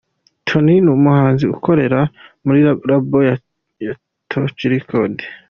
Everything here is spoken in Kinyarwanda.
Tony: Ni umuhanzi ukorera muri Label ya Touch Records.